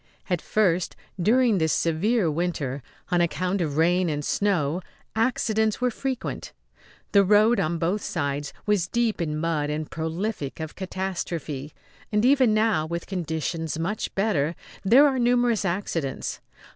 At first, during this severe winter, on account of rain and snow, accidents were frequent. The road, on both sides, was deep in mud and prolific of catastrophe; and even now, with conditions much better, there are numerous accidents.